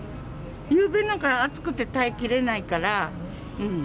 夕べなんて暑くて耐えきれないから。